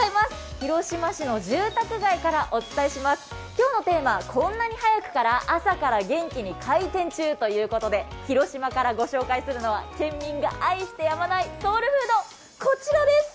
今日のテーマ、こんなに早くから朝から元気に開店中ということで広島からご紹介するのは県民が愛してやまないソウルフード、こちらです。